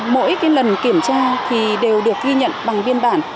mỗi lần kiểm tra đều được ghi nhận bằng viên bản